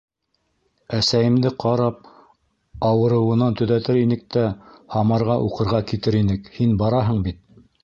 Әсәйемде ҡарап, ауырыуынан төҙәтер инек тә Һамарға уҡырға китер инек, һин бараһың бит?